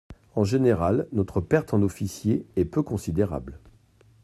En général, notre perte en officiers est peu considérable.